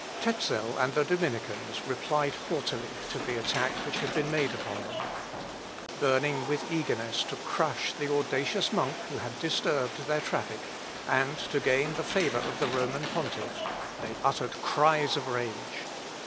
Tezel and the Dominicans replied haughtily to the attack which had been made upon them. Burning with eagerness to crush the audacious monk who had disturbed their traffic, and to gain the favour of the Roman pontiff, they uttered cries of rage.